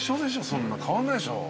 そんな変わんないでしょ。